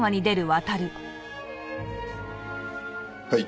はい。